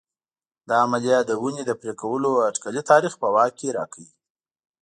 دا عملیه د ونې د پرې کولو اټکلي تاریخ په واک کې راکوي